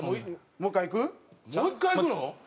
もう１回行くの？